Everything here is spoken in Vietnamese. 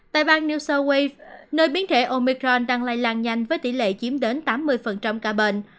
tại bang new south wales nơi biến thể omicron đang lây lan nhanh với tỷ lệ chiếm đến tám mươi ca bệnh